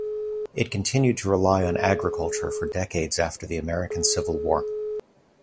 It continued to rely on agriculture for decades after the American Civil War.